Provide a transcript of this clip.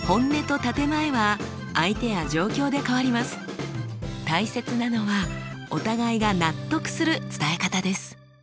大切なのはお互いが納得する伝え方です。